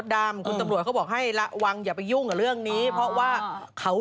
อย่าตัวเองก็ออกกำลังกายเยอะเหมือนกันอยากสิ